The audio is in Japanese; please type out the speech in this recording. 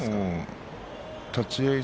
立ち合い